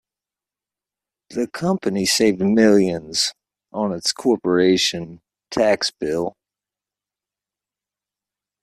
The company saved millions on its corporation tax bill.